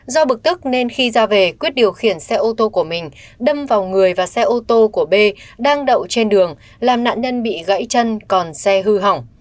do bực tức nên khi ra về quyết điều khiển xe ô tô của mình đâm vào người và xe ô tô của b đang đậu trên đường làm nạn nhân bị gãy chân còn xe hư hỏng